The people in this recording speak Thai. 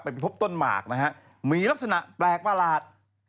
ไปพบต้นหมากนะฮะมีลักษณะแปลกประหลาด